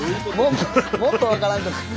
もっと分からんくなる。